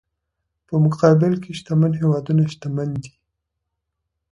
په مقابل کې شتمن هېوادونه شتمن دي.